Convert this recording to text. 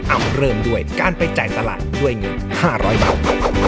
เริ่มด้วยการไปจ่ายตลาดด้วยเงิน๕๐๐บาท